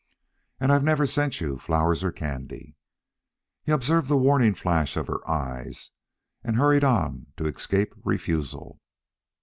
And I've never sent you flowers or candy." He observed the warning flash of her eyes, and hurried on to escape refusal.